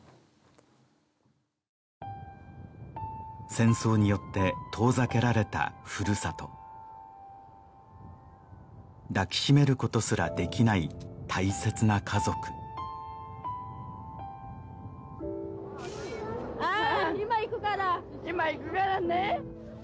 戦争によって遠ざけられたふるさと抱きしめることすらできない大切な家族・今行くから・今行くからね